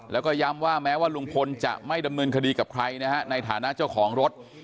แล้วก็ย้ำว่าแม้ว่าลุงพลจะไม่ดำเนินคดีกับใครนะฮะในฐานะเจ้าของรถ